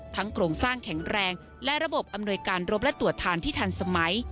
โครงสร้างแข็งแรงและระบบอำนวยการรบและตรวจทานที่ทันสมัย